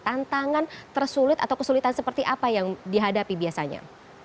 tantangan tersulit atau kesulitan seperti apa yang dihadapi biasanya